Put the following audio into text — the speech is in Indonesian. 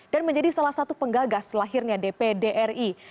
dan menjadi salah satu penggagas selahirnya dpd ri